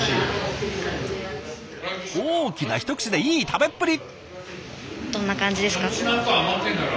大きな一口でいい食べっぷり！